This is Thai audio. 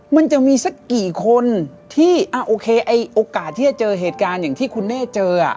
มันจะมีสักกี่คนที่โอเคไอ้โอกาสที่จะเจอเหตุการณ์อย่างที่คุณเน่เจอ